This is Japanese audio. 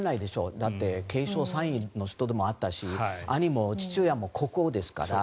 だって継承３位の人でもあったし兄も父親も国王ですから。